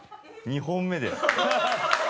２本目で。